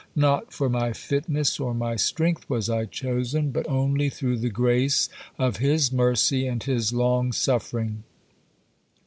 Not for my fitness or my strength was I chosen, but only through the grace of His mercy and His long suffering.